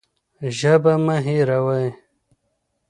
ژبه مه هېروئ.